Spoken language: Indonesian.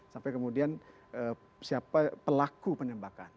sampai kemudian siapa pelaku penembakan